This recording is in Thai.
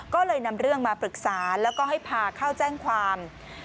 ก็เลยนำเรื่องมาปรึกษาแล้วก็ให้พาเข้าแจ้งความ